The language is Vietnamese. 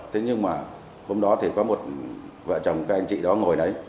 thế nhưng mà hôm đó thì có một vợ chồng các anh chị đó ngồi đấy